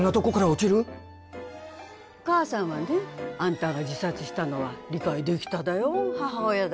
お母さんはねあんたが自殺したのは理解できただよ母親だで。